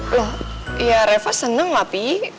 loh ya reva seneng lah pi